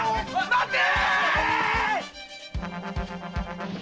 待て！